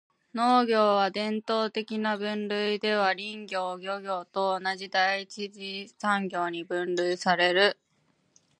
農業は、伝統的な分類では林業・漁業と同じ第一次産業に分類される。